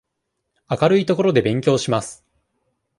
明るい所で勉強します。